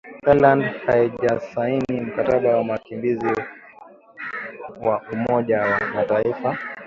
Thailand haijasaini Mkataba wa Wakimbizi wa Umoja wa Mataifa